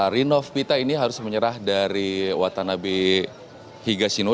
rinov pita ini harus menyerah dari watanabi higashino